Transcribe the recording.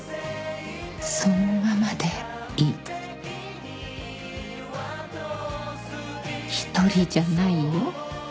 「そのままでいい」「一人じゃないよ」